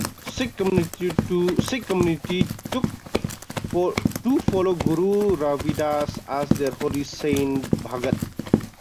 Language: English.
Sikh Community too follow Guru Ravidass as their holy saint Bhagat.